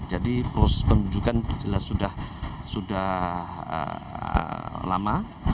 jadi proses pembunyukan sudah lama